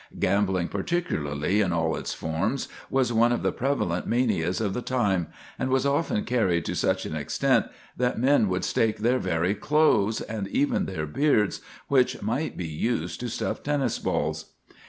Gambling particularly, in all its forms, was one of the prevalent manias of the time, and was often carried to such an extent that men would stake their very clothes, and even their beards, which might be used to stuff tennis balls.